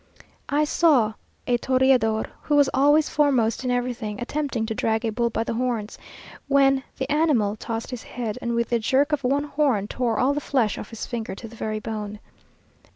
I saw a toreador, who was always foremost in everything, attempting to drag a bull by the horns, when the animal tossed his head, and with the jerk of one horn, tore all the flesh off his finger to the very bone.